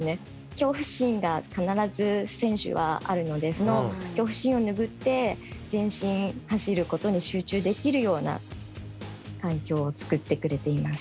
恐怖心が必ず選手はあるのでその恐怖心を拭って前進走ることに集中できるような環境を作ってくれています。